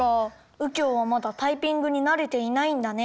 うきょうはまだタイピングになれていないんだね。